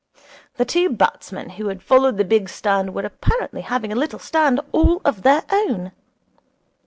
The two batsmen who had followed the big stand were apparently having a little stand all of their own.